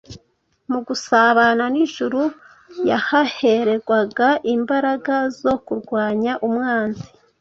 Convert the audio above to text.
Mu gusabana n’ijuru yahahererwaga imbaraga zo kurwanya umwanzi